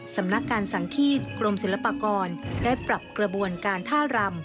สำนักการสังฆีตกรมศิลปากรได้ปรับกระบวนการท่ารำ